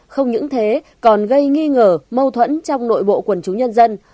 không những thế còn gây nghi ngờ mâu thuẫn trong nội bộ quần chúng nhân dân